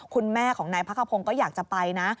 คุณแม่ของนายพระขพงศ์ก็อยากจะไปนะ